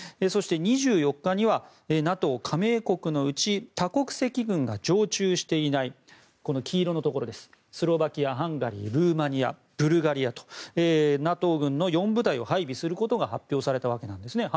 そして２４日にはＮＡＴＯ加盟国のうち多国籍軍が常駐していない黄色のところスロバキア、ハンガリールーマニア、ブルガリアにＮＡＴＯ軍の４部隊を配備することが発表されたわけです。